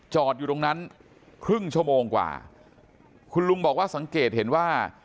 อยู่ตรงนั้นครึ่งชั่วโมงกว่าคุณลุงบอกว่าสังเกตเห็นว่า